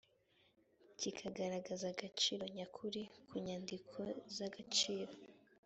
kigaragaza agaciro nyakuri k inyandiko z agaciro